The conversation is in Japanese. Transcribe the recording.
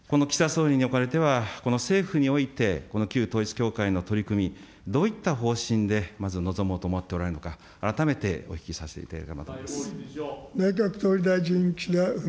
総理におかれては、この政府において、この旧統一教会の取り組み、どういった方針でまず臨もうと思っておられるのか、改めてお聞きさせていただければと思います。